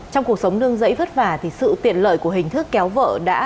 trong cuộc sống nương rẫy vất vả thì sự tiện lợi của hình thức kéo vợ đã